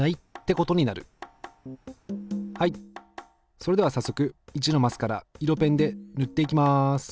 それでは早速１のマスから色ペンで塗っていきます。